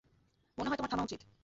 মনেহয় তোমার থামা উচিত।